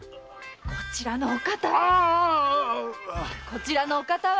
こちらのお方は。